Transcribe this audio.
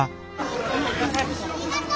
ありがとう。